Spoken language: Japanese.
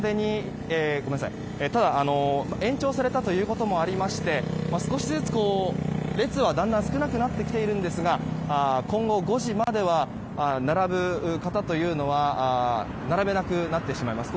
ただ延長されたこともありまして少しずつ列は少なくなってきていますが今後、並ぶ方というのは並べなくなってしまいます。